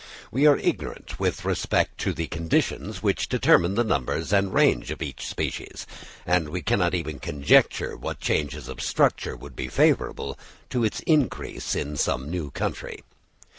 We are ignorant with respect to the conditions which determine the numbers and range of each species, and we cannot even conjecture what changes of structure would be favourable to its increase in some new country.